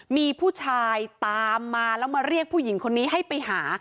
มีผู้ชายตามมาแล้วมาเรียกผู้หญิงคนนี้ให้ไปหา